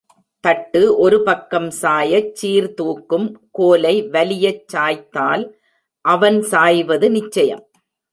தட்டு ஒரு பக்கம் சாயச் சீர்தூக்கும் கோலை வலியச் சாய்த்தால் அவன் சாய்வது நிச்சயம்.